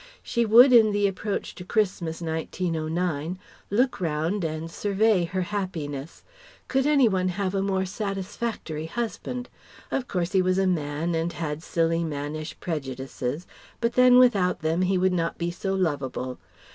She would in the approach to Christmas, 1909, look round and survey her happiness: could any one have a more satisfactory husband? Of course he was a man and had silly mannish prejudices, but then without them he would not be so lovable.